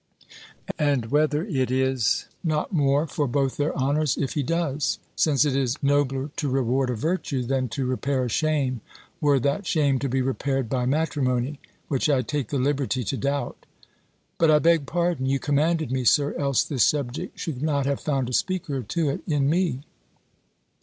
And whether it is not more for both their honours, if he does: since it is nobler to reward a virtue, than to repair a shame, were that shame to be repaired by matrimony, which I take the liberty to doubt. But I beg pardon: you commanded me, Sir, else this subject should not have found a speaker to it, in me."